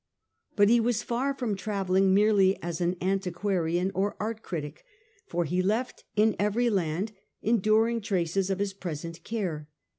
But he was far from travelling merely as an anti quarian or art critic, for he left in every land enduring traces of his present care.